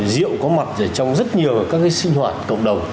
rượu có mặt ở trong rất nhiều các cái sinh hoạt cộng đồng